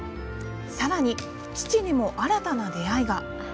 さらに、父にも新たな出会いが。